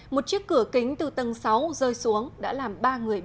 một chiếc cửa kính từ tầng sáu rơi xuống đã làm ba người